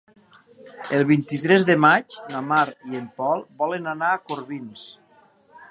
El vint-i-tres de maig na Mar i en Pol volen anar a Corbins.